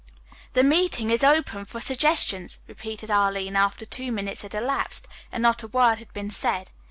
"The meeting is open for suggestions," repeated Arline after two minutes had elapsed and not a word had been said.